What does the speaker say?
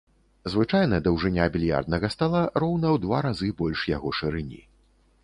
Звычайна даўжыня більярднага стала роўна ў два разы больш яго шырыні.